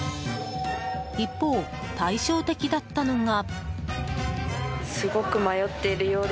一方、対照的だったのが。